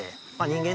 人間